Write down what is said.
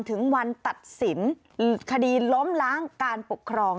ถึงวันตัดสินคดีล้มล้างการปกครอง